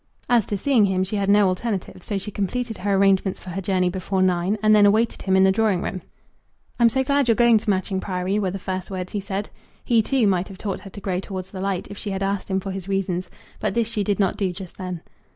As to seeing him she had no alternative, so she completed her arrangements for her journey before nine, and then awaited him in the drawing room. "I'm so glad you're going to Matching Priory," were the first words he said. He, too, might have taught her to grow towards the light, if she had asked him for his reasons; but this she did not do just then.